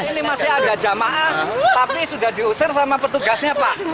ini masih ada jamaah tapi sudah diusir sama petugasnya pak